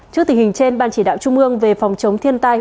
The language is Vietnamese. trước tình hình trên ban chỉ đạo trung ương về phòng chống thiên tai